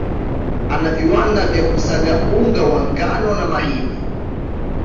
Ana viwanda vya kusaga unga wa ngano na mahindi